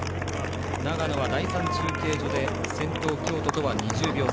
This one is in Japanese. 長野は第３中継所で先頭、京都とは２０秒差